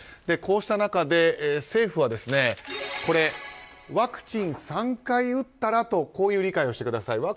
こうした中で政府はワクチン３回打ったらとこういう理解をしてください。